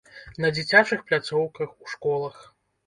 На дзіцячых пляцоўках, у школах.